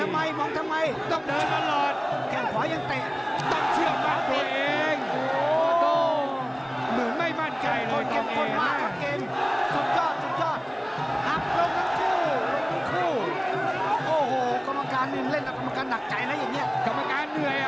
แม่มองพี่เลี้ยงตลอดไม่ดีแบบนี้